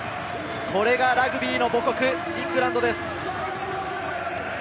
これがラグビーの母国イングランドです。